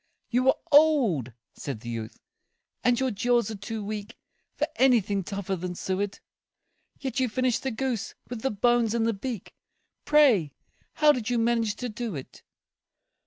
"You are old," said the youth, "and your jaws are too weak For anything tougher than suet; Yet you finished the goose, with the bones and the beak Pray, how did you manage to do it?"